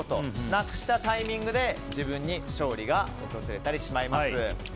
なくしたタイミングで自分に勝利が訪れます。